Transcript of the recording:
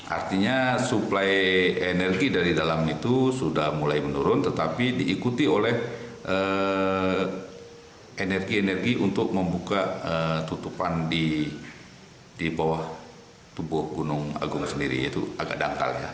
artinya suplai energi dari dalam itu sudah mulai menurun tetapi diikuti oleh energi energi untuk membuka tutupan di bawah tubuh gunung agung sendiri itu agak dangkal ya